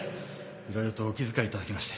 いろいろとお気遣い頂きまして。